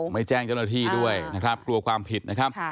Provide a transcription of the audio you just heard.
ไม่แจ้งเจ้าหน้าที่ด้วยนะครับกลัวความผิดนะครับ